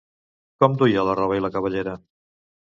Com duia la roba i la cabellera?